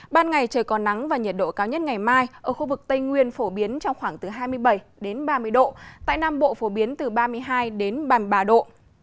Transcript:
ban ngày trời còn nắng và nhiệt độ cao nhất ngày mai ở khu vực tây nguyên phổ biến trong khoảng từ hai mươi bảy ba mươi độ tại nam bộ phổ biến từ ba mươi hai ba mươi ba độ